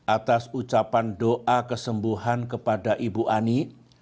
atas ucapan doa kesembuhan kepada ibu ani